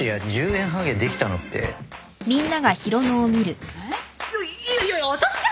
１０円ハゲできたのってさ。